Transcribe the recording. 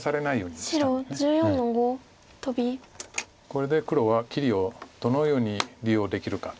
これで黒は切りをどのように利用できるか。